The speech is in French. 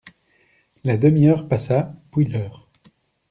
La demi-heure passa, puis l'heure.